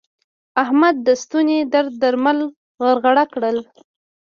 احمد د ستوني درد درمل غرغړه کړل.